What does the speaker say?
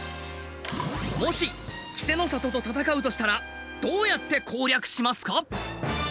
もし稀勢の里と戦うとしたらどうやって攻略しますか？